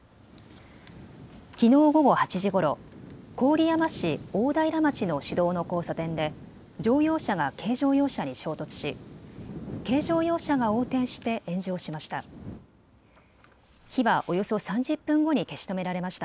きのう午後８時ごろ、郡山市大平町の市道の交差点で乗用車が軽乗用車に衝突し軽乗用車が横転して炎上しました。